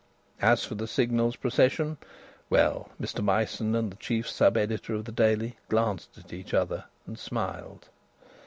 As for the Signal's procession well, Mr Myson and the chief sub editor of the Daily glanced at each other and smiled.